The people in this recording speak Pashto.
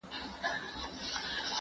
زه به د لوبو لپاره وخت نيولی وي!.